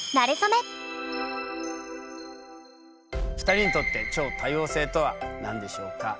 ２人にとって超多様性とは何でしょうか？